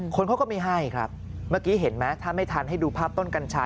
คนเขาก็ไม่ให้ครับเมื่อกี้เห็นไหมถ้าไม่ทันให้ดูภาพต้นกัญชา